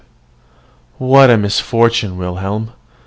What a misfortune, Wilhelm!